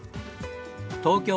東京